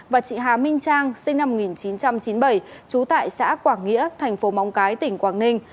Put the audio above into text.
và chị hà minh trang sinh năm một nghìn chín trăm chín mươi bảy trú tại xã quảng nghĩa thành phố móng cái tỉnh quảng ninh